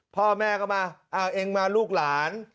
พ่อแม่ก็มาเอาเองมาลูกหลาน